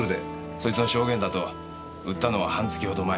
そいつの証言だと売ったのは半月ほど前。